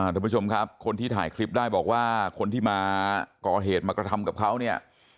ทุกผู้ชมครับคนที่ถ่ายคลิปได้บอกว่าคนที่มาก่อเหตุมากระทำกับเขาเนี่ย